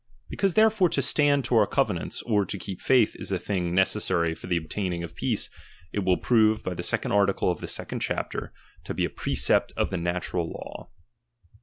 Because therefore to stand to our covenants, or to keep faith, is a thing necessary for the obtaining of peace ; it will prove, by the second article of the second chapter, to be a precept of the natural law.